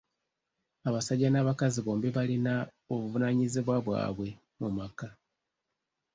Abasajja n'abakazi bombi balina obuvunaanyizibwa bwabwe mu maka.